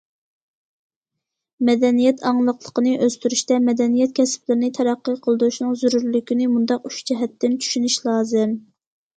مەدەنىيەت ئاڭلىقلىقىنى ئۆستۈرۈشتە، مەدەنىيەت كەسىپلىرىنى تەرەققىي قىلدۇرۇشنىڭ زۆرۈرلۈكىنى مۇنداق ئۈچ جەھەتتىن چۈشىنىش لازىم.